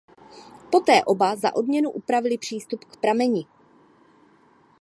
Poté oba za odměnu upravili přístup k prameni.